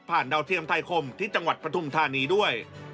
ผ่านดาวเทียมไทยคมที่จังหวัดพระทุ่มธานีด้วย